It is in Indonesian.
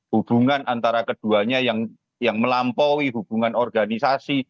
hubungan antara keduanya yang melampaui hubungan organisasi